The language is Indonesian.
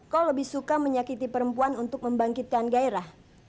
kau lebih suka menyakiti perempuan untuk membangkitkan gairah